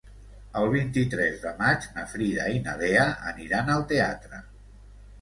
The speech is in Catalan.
El vint-i-tres de maig na Frida i na Lea aniran al teatre.